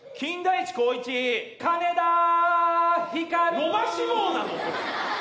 伸ばし棒なの？